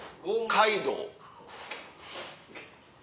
カイドウ。